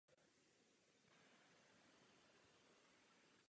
Byly učiněny jasné kroky vpřed.